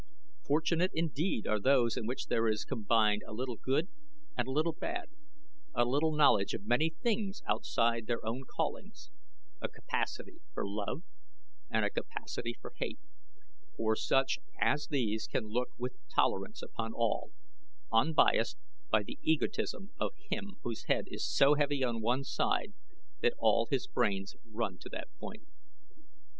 "Fortunate indeed are those in which there is combined a little good and a little bad, a little knowledge of many things outside their own callings, a capacity for love and a capacity for hate, for such as these can look with tolerance upon all, unbiased by the egotism of him whose head is so heavy on one side that all his brains run to that point."